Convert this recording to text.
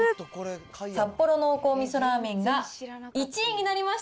札幌濃厚味噌ラーメンが、１位になりました。